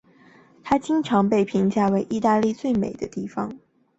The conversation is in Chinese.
它经常被评价为意大利的最美丽的部分。